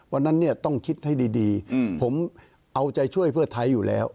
วันนั้นเนี่ยต้องคิดให้ดีผมเอาใจช่วยเพื่อไทยอยู่แล้ว